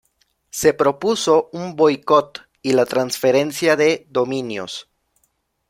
Se propuso un boicot y la transferencia de dominios.